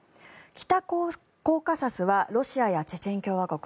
北コーカサスはロシアやチェチェン共和国。